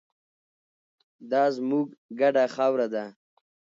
دا زموږ ګډه خاوره ده.